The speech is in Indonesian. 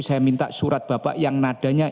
saya minta surat bapak yang nadanya